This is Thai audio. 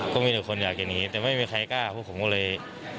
ก็มีแต่คนอยากจะหนีแต่ไม่มีใครกล้าพวกผมก็เลย